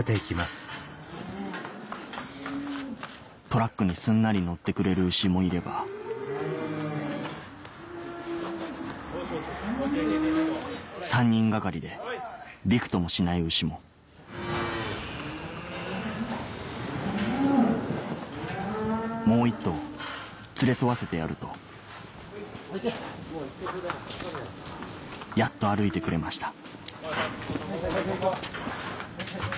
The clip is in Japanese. トラックにすんなり乗ってくれる牛もいれば３人掛かりでびくともしない牛ももう１頭連れ添わせてやるとやっと歩いてくれました